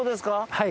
はい。